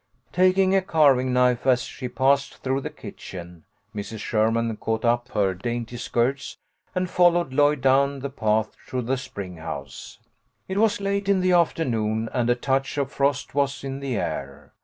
Taking a carving knife as she passed through the kitchen, Mrs. Sherman caught up her dainty skirts and followed Lloyd down the path to the spring house. It was late in the afternoon and a touch of frost was in the air.